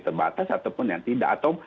terbatas ataupun yang tidak atau